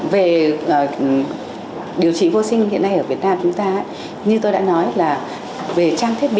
về điều trị vô sinh hiện nay ở việt nam chúng ta như tôi đã nói là về trang thiết bị